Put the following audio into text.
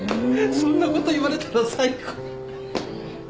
そんなこと言われたら最高。